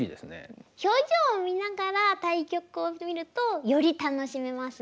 表情を見ながら対局を見るとより楽しめますね。